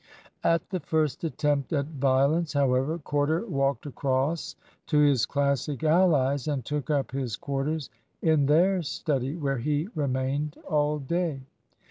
At the first attempt at violence, however, Corder walked across to his Classic allies, and took up his quarters in their study, where he remained all day.